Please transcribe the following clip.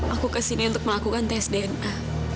aku kesini untuk melakukan tes dna